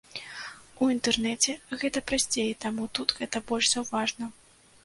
У інтэрнэце гэта прасцей, таму тут гэта больш заўважна.